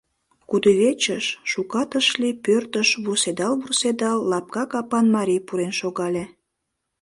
Кудывечыш, шукат ыш лий — пӧртыш, вурседал-вурседал, лапка капан марий пурен шогале.